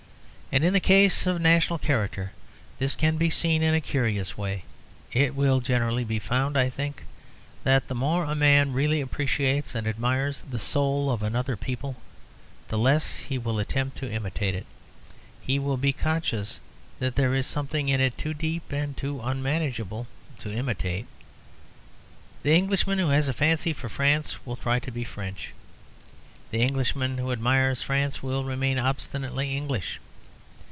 And in the case of national character this can be seen in a curious way. It will generally be found, I think, that the more a man really appreciates and admires the soul of another people the less he will attempt to imitate it; he will be conscious that there is something in it too deep and too unmanageable to imitate. The Englishman who has a fancy for France will try to be French; the Englishman who admires France will remain obstinately English.